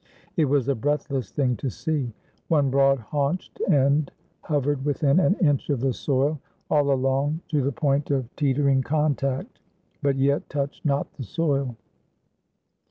It was a breathless thing to see. One broad haunched end hovered within an inch of the soil, all along to the point of teetering contact; but yet touched not the soil.